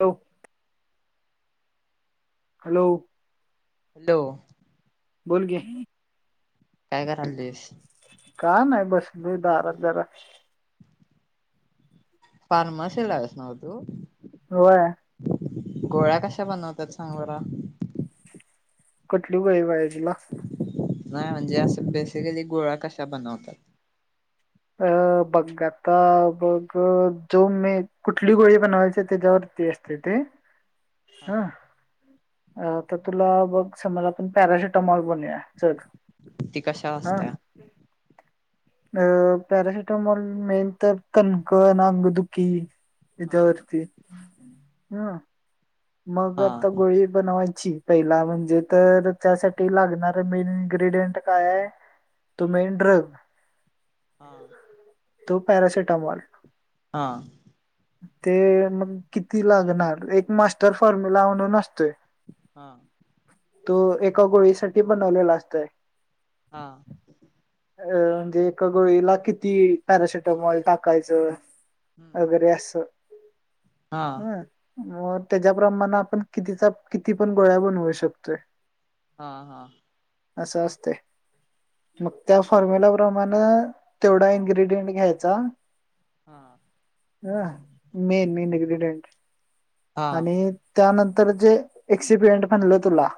Hello hello hello बोल की काय कराल्याईस? का नाही बसलोय दारात जरा [inaudible] से ला लागला ना तू? व्हय गोळ्या कशा बनवतात सांग बर? कुटली गोळी पाहिजेल तुला? नाही म्हणजे असं बेसिकली गोळा कशा बनवतात? अ बघ आता बघ जो मी कुठली गोळी बनवायची त्याच्यावर ते असत ते हा अ तर तुला बघ समज आपण पॅरासिटमॉल बनूया ती कशावर असत्या अ पॅरासिटमोल मेन तर कणक आंगदुखी हे हा च्यावरती हम मग आता हा गोळी बनवायची पहिला म्हणजे तर त्यासाठी लागणार मेन इन्ग्रेडियंट काय आहे? तो मेन ड्रग हा तो पॅरासेटमॉल हा ते मग किती लागणार एक मास्टर फॉर्म्युला म्हणून असतोय हा तो एका गोळीसाठी बनवलेला असतोय हा अ म्हणजे एका गोळीला किती पॅरासेटमॉल टाकायचं [inaudible] [inaudible] हम्म हा हं मग त्याच्याप्रमाण आपण कितीचा किती पण गोळ्या बनवू शकतोय हा हा असं असतय मग त्या फॉर्म्युला प्रमाण तेवढा इन्ग्रेडियंट घ्यायचा हा ह मेन मेन इंग्रीडीयंट हा आणि त्यानंतर जे एक्सिब्लेंट म्हणलं तुला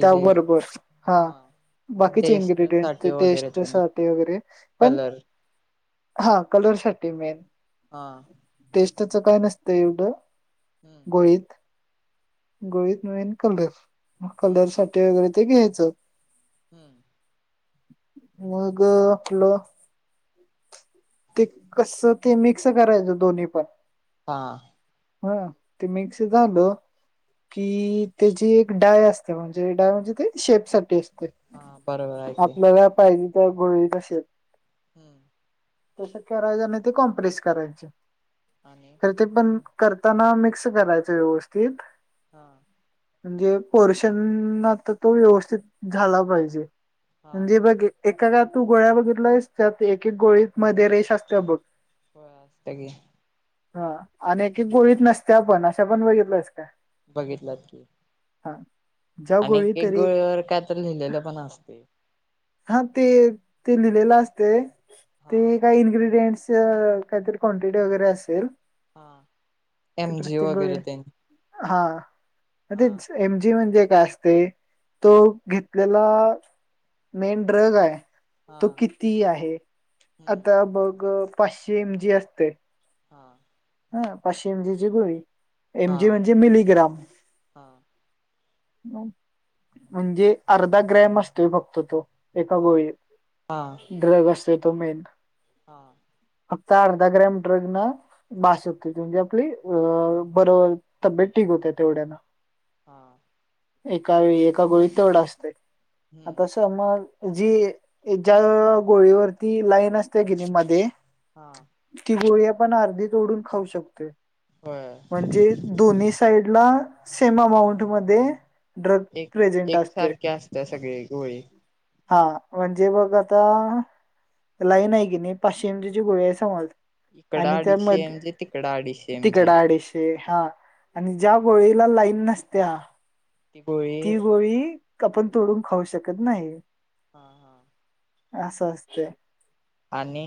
त्या बरोबर हा बाकीचे टेस्ट इन्ग्रेडियंट साठी वगैरे तेन टेस्टसाठी वगैरे पण कलर हा कलर्ससाठी मेन हा टेस्टच काय नसतं एवढं, हम्म गोळीत गोळीत मेन कलर्स मग हम्म कलर्ससाठी वगैरे ते घ्यायचं हम्म मग आपलं ते कसं ते मिक्स करायचं दोन्ही पण हा हा ते मिक्स झालं कि त्याची एक डाय असते म्हणजे डाय म्हणजे ते शेप साठी हा बरोबर आहे की आपल्याला पाहिजे त्या गोळीचा शेप हम्म तस करायचं नाही तर कॉम्प्रेस करायच्या आणि खर ते पण करताना मिक्स करायचं व्यवस्थित हा म्हणजे पोर्षन आता तो व्यवस्थित झाला पाहिजे. हा म्हणजे बघ एका का तू गोळ्या बघितलयस त्यात एक एक गोळीत मध्ये रेश असतेय बघ होय असते की हा आणि एक एक गोळीत नसते पण अशा पण बघितलायस काय? बघितल्यात की, हा ज्या आणि गोळी एक तरी गोळ्यावर काय तरी लिहिलेलं पण असतय. हा ते ते लिहिलेलं असतय हा ते काय इंग्रेडीयन्स काहीतरी क्वाँटिटी वगैरे असेल हा ते एमजी प्रत्येक गोळी वगैरे ते हा तेच एमजी म्हणजे काय असतय तो घेतलेला मेन ड्रग आहे. हा तो किती आहे हम्म आता बघ पाचशे एमजी असतय हा पाचशे एमजी ची गोळी एमजी हा म्हणजे मिली ग्राम हा म्हणजे अर्धा ग्रॅम असतोय फक्त तो एका हा हा गोळीत ड्रग असतोय, तो मेन हा आता अर्धा ग्रॅम ड्रग ना बास होते तेवढी आपली, अ बर तब्येत ठीक होते तेवढ्यान. हा एका वेळी एका गोळीत तेवढ असतय हम्म आता समज जी ज्या गोळीवरती लाईन असते कीनी मध्ये हा ती गोळी आपण आर्धी तोडुन खाऊ शकतोय. होय म्हणजे दोन्ही साईड ला सेम अमाऊंट मध्ये ड्रग एक प्रेझेंट एक असतोय सारखी असतेय सगळी गोळी हा म्हणजे बघ आता लाईन आहे की नाही पाचशे इंचीची गोळी आहे समज इकडं आणि अडीचशे त्यामध्ये एम जी तिकडं अडीचशे एम तिकड जी आडीशै हा आणि हा ज्या गोळीला लाईन नसतीया ती गोळी ती गोळी कापुन तोडून खाऊ शकत नाही. हा हा असं अस असते. आणि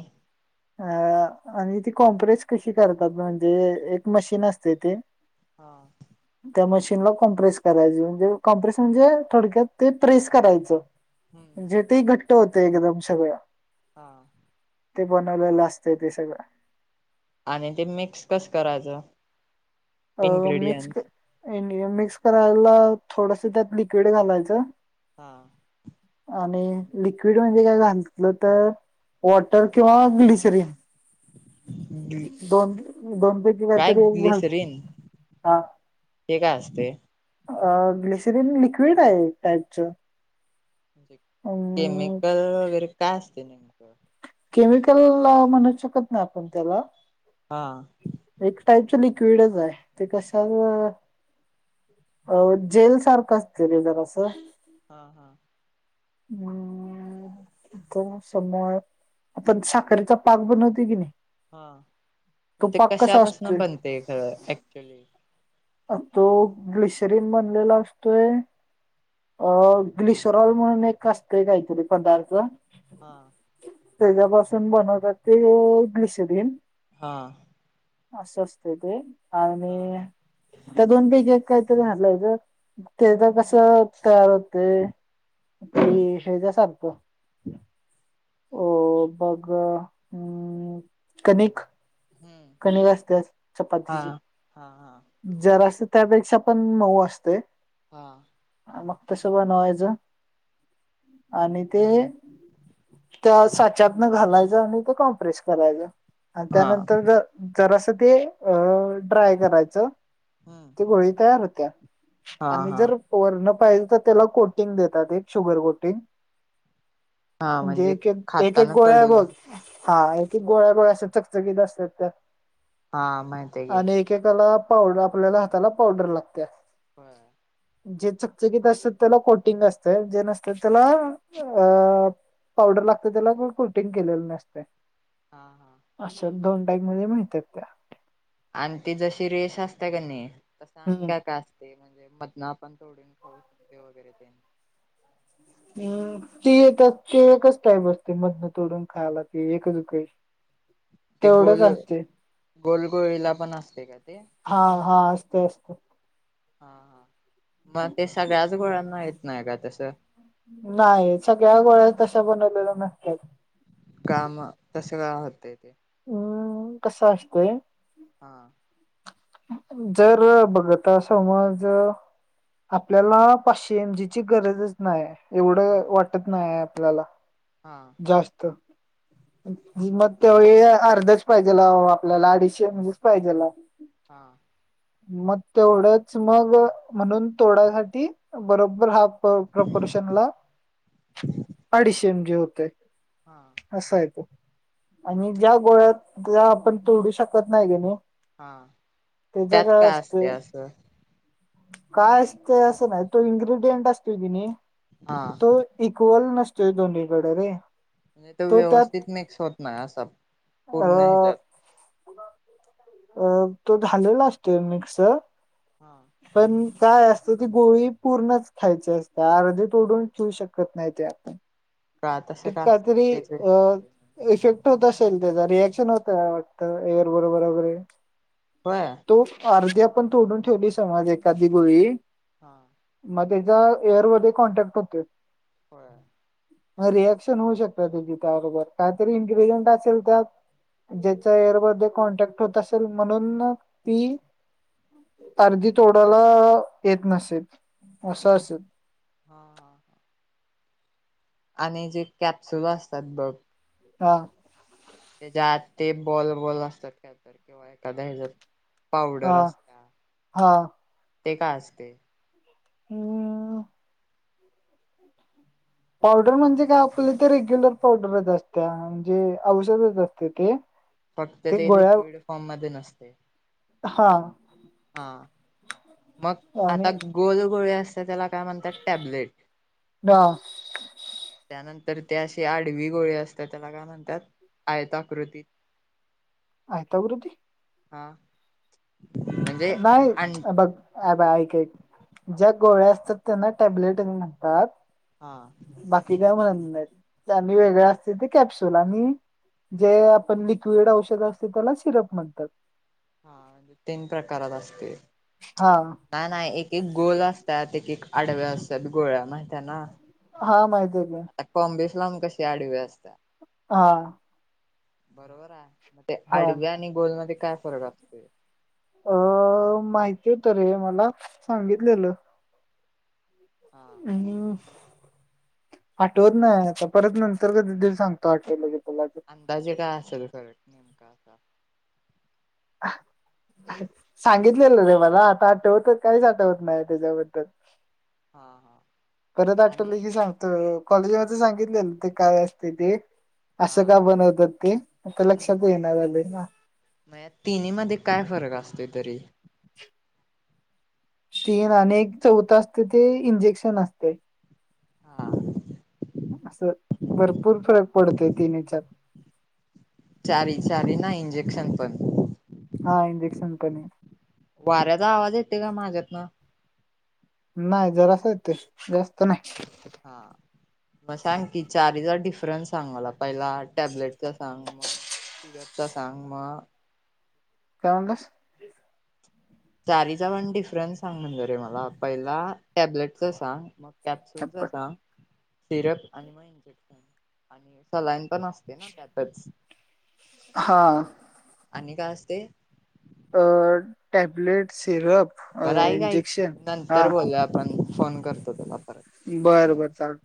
अ आणि ती कॉम्प्रेस कशी करतात? म्हणजे एक मशीन असते ते हा. त्या मशीनला कॉम्प्रेस करायची, म्हणजे कॉम्प्रेस म्हणजे थोडक्यात ते प्रेस करायचं. हम्म म्हण जे तेही घट्ट होते एकदम सगळं. हा. ते बनवलेलं असतय ते सगळं. आणि ते मिक्स कसं करायचं? अ मिक्स. इन्ग्रेडियंट्स मिक्स करायला थोडस त्यात लिक्विड घालायचं. हा. आणि लिक्विड म्हणजे काय घातलं तर वॉटर किंवा ग्लिशरी दोन. बंपची बात काय तरी हा. ग्लिसरीन ते काय असते अ ग्लसिरीन लिक्विड आहे टाइपच. म्हणजे केमिकल वगैरे काय असते नेमकं? केमिकल म्हणू शकत नाही आपण त्याला. हा. एक टाईपच लिक्विडच आहे ते कशा अ जेल सारखं असते र जरा अस. हा हा. हम्म. समर आपण साखरेचा पाक बनवते की नाही? हा तो म्हणजे ते पाक कसा कशापासन असतोय बनते खरं ऍक्च्युली? अ तो ग्लिशरीन बनलेला असतोय अ ग्लिसोरॉल म्हणून एक असतंय काहीतरी पदार्थ. हा. त्याच्यापासून बनवतात ते ब्लिशरीन. हा. असं असत ते आणि हा हा त्या दोन पैकी एक काहीतरी म्हटलं तेचा कस तयार होते. आपली शेज सारखो. हो बघ हम् कणिक. हम्म कणीक असतेस हा चपातीची. हा हा जरा असते. त्यापेक्षा पण मऊ असते. हा. मग तश बनवायच आणि ते त्या साच्यातन घालायचं आणि ते कॉम्प्रेस करायचं. आणि हा त्यानंतर ज जरास ते अ ड्राय करायचं. ते हम्म गोळी तयार होत्या हा आणि हा जर वर्ण पाजे तर त्याला कोटिंग देतात एक शुगर कोटिंग. हा म्हणजे एक एक एक एक खाताना गोळ्या आहे कडू बघ. हा गोळ्या गोळ्या अस चकचकीत असतात त्या. हा माहिती की. आणि एकेकाला पावडर आपल्याला हाताला पावडर लागते. हा. जे चकचकीित असत त्याला कोटिंग असते जे नसत त्याला अ पावडर लागत त्याला कोटिंग केलेलं नसते. हा हा. दोन टाक मध्ये माहित आहेत त्या आणि ती जशी रेस असते का नाही? तस आण हम्म का का असते म्हणजे मधन आपण तोडून खाऊ शकते वगैरे ते हम् ति एकच टाईप असते. मधन तोडून खायला ते एक दुकही ते गोल गोलगोळीला पण असते का ते? असत असत. हा हा. मग ते सगळ्याच गोळ्यांना येत नाही का तस? नाही सगळ्या गोळ्या तशा बनवलेलं नक्की. काम तस काम होते ते? हम्म कस असतय. हा. जर बघत समज आपल्याला पाचशे एमजीची गरजचं नाही. एवढं हा वाटत नाही, आपल्याला हा जास्त. मग ते अर्धाच पाहिजेला आपल्याला अडीचशे [unintelligible] पाहिजेलाय. हा. मग तेवढंच मग म्हणून, तोडाय साठी बरोबर हा. प प्रपोर्शन ला अडीचशे एमजी होतेयं. हा. आणि ज्या गोळ्यात त्या आपण तोडू शकत नाही. किनइ हा, त्यात काय असते असं? काय असतं असं नाही. तो इन्ग्र्रीडियंट असतोय किनइ हा तो इक्वल न [unintelligible] दोन्हीकडे रे. [unintelligible] तो त्यात व्यवस्थित मिक्स होत नाही, असा पूर्ण अ ह्याच्यात. अ तो झालेला असतोय मिक्स. हा पण काय असतं, ती गोळी पूर्णच खायची असत्या अर्धी तोडून ठेवऊ शकत, नाही त्यात. का तसं क का असते काहीतरी तेच विचारले इफेक्ट. होत असेल त्याचा. रिएक्शन होतयं, वाटतं एअर बरोबर वगैरे, होय तो अर्धी आपण तोडून ठेवली, समज एखादी गोळी हा. मग त्याचा एअरमध्येध्ये कॉन्टॅक्ट होतोय. होय मग रिॲक्शन होऊ शकत, त्या त्याबरोबर काहीतरी इन्ग्रीडियंट असेल त्यात ज्याचा एअरमध्येध्ये कॉन्टॅक्ट होत असेल, म्हणून ती अर्धी तोडाला येत नसेल, असं असेल. ह आणि जे कॅप्सुल असतात बघ हा. त्याच्या आत ते बॉल बॉल असतात. किंवा [unintelligible] हा असत्या हा. ते काय असतयं? [inaudible] पावडर म्हणजे काय? आपल्या ते रेग्युलर पावडरच असत्या म्हणजे औषधच असते ते. फक्त ते लिक्विड फॉर्म मध्ये नसते? हा. हा. मग आणि आता गोल गोळे असते, त्याला काय म्हणतात टँबलेट? त्यानंतर ते अे आडवी गोळी असतात. त्याला काय म्हणतात? आयताकृती. आयताकृती? हा. म्हणजे नाही अं बघ ऐक ऐक. ज्या गोळ्या असतात. त्यांना टॅबलेटच म्हणतात. हा बाकी काय म्हणा? त्यां वेगळे असते ते कॅप्सुल आणि. जे आपण लिक्विड औषध असते, त्याला सिरप म्हणतात. हा म्ह तीन प्रकारात असते. हा ना नाही एक एक गोल असतात. एक आडव्या असतात, गोळ्या माहितय ना. हा माहिती आहे. [unintelligible] [unintelligible] आडवे असतात. हा. बरोबर आहे. म ते हा आडव्या आणि गोलमध्येध्ये काय फरक असतो? अ माहिती होत, रे मला सांगितलेलं. हा आणि. आटोवर नाही आता परत नंतर कादी सांगतो आटोलाे. अंदाजे काय अस तुसट नेमका असा. अ. सांगितलेलं रे मला आता आठवत काहीच आठवत नाही त्याच्याबद्दल. हा हा. परत आणि आठवले की सांगतो कॉलेज मध्ये सांगितलेलं ते काय असते ते. हा असं का बनवतात ते आता लक्षात येईना. म तिन्ही मध्ये काय फरक असतो तरी. तीन आणि चौथं असते ते इंजेक्शन असते. हा. असं भरपूर फरक पडतोय तिन चार. चारी चारी ना इंजेक्शन पण. [inaudible] वाऱ्याचा आवाज येते का माझ्यातन. नाही जरा अस ते जास्त नाही. हा सांगाला पहिला टॅबलेटचा सांग मग सिरपचा सांग मग. काय म्हणतस. चारीचा पण डिफरनस सांग म्हणज रे मला पहिला टॅबलेटचा सांग मग. कॅप्सुल्स असा सिरप आणि म इंजेक्शन आणि सला पण असते ना त्यातच. हा. आणि काय असते. अ टॅब्लेट सिरप. बरं ऐ का इंजेक्शन नंतर बोलूया आपण फोन करतो तला. बर बर चाल.